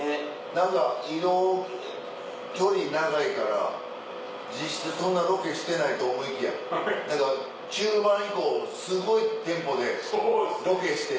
何か移動距離長いから実質そんなロケしてないと思いきや何か中盤以降すごいテンポでロケして。